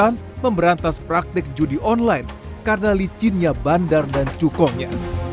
dan pemerintah pun memberantas praktek judi online karena licinnya bandar dan cukongnya